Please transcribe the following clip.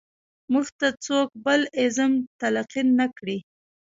موږ ته څوک بل ایزم تلقین نه کړي.